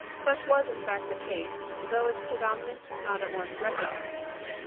Such was in fact the case, though its predominance was not at once recog nized.